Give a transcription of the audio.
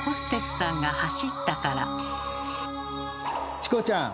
チコちゃん！